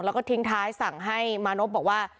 แล้วก็ทิ้งท้ายสั่งให้มานพบอกว่า